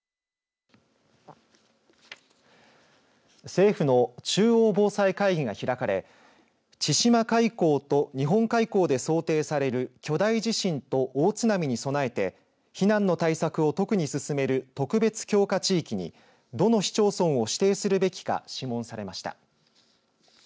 政府の中央防災会議が開かれ千島海溝と日本海溝で想定される巨大地震と大津波に備えて避難の対策を特に進める特別強化地域にどの市町村を指定するべきか諮問されました。